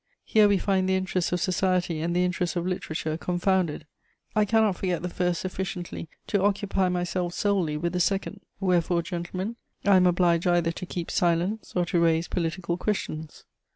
Here we find the interests of society and the interests of literature confounded. I cannot forget the first sufficiently to occupy myself solely with the second; wherefore, gentlemen, I am obliged either to keep silence or to raise political questions.